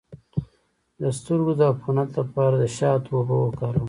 د سترګو د عفونت لپاره د شاتو اوبه وکاروئ